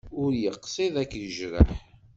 Ur yeqsid ad k-yejreḥ.